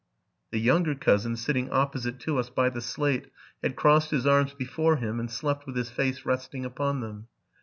The younger cousin, sitting opposite to us by the slate, had crossed his arms before him, and slept with his face resting upon them.